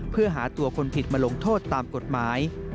เพื่อหาตัวคนผิดมาลงโทษตามกฎหมาย